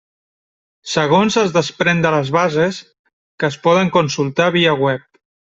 Segons es desprèn de les bases, que es poden consultar via web.